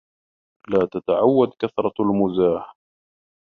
لَا تَتَعَوَّدْ كَثْرَةَ الْمَزَّاحِ.